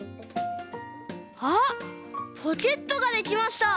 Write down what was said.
あっポケットができました！